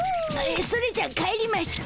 それじゃあ帰りますか。